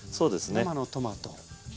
生のトマト。